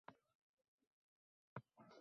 Yoningizdagilarga pichirlashning vaqtimi hozir?